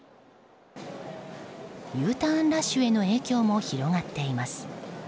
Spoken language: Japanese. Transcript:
Ｕターンラッシュへの影響も広がっています。